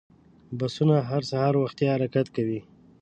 بسونه هر سهار وختي حرکت کوي.